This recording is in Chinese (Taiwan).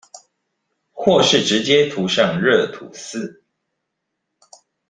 或是直接塗上熱吐司